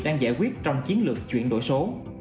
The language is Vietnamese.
đang giải quyết trong chiến lược chuyển đổi số